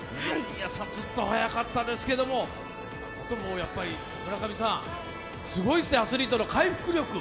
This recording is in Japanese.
ずっと速かったですけど、村上さん、すごいですね、アスリートの回復力。